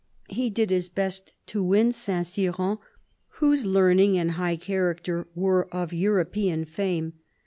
He did his best to win Saint Cyran, whose learning and high character were of European fame.